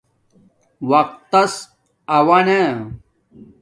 وقت تس آوہ نا